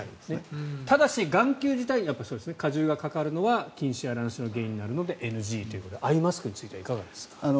ただし眼球自体に荷重がかかるのは近視や乱視の原因になるのでＮＧということでアイマスクについてはいかがですか？